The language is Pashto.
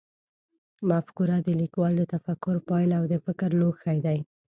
مفکوره د لیکوال د تفکر پایله او د فکر لوښی دی.